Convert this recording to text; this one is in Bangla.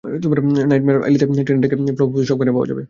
নাইটমেয়ার অ্যালিতে, ট্রেনের ট্র্যাকে, ফ্লপহাউজে, সবখানেই পাওয়া যাবে।